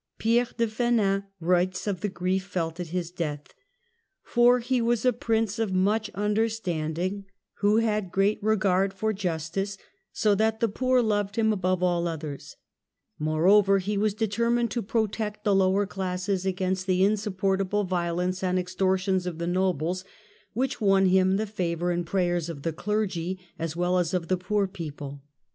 Pierre de Fenin writes of the grief felt at his death, " for he was a prince of much understanding, who had HISTORY OF FEANCE, 1380 1453 215 great regard for justice, so that the poor loved him above all others. Moreover he vt^as determined to protect the lower classes against the insupportable violence and ex tortions of the nobles, which won him the favour and prayers of the Clergy as well as of the poor people."